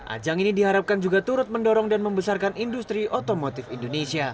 ajang ini diharapkan juga turut mendorong dan membesarkan industri otomotif indonesia